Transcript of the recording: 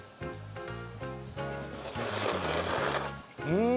うん！